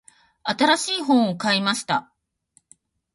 新しい本を買いました。